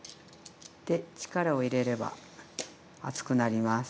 で力を入れれば厚くなります。